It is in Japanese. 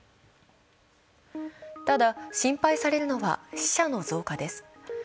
ただ、心配されるのは死者の増加です。